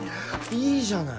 いいじゃない！